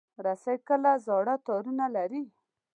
رسۍ کله زاړه تارونه لري.